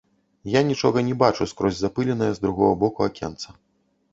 Я нічога не бачу скрозь запыленае з другога боку акенца.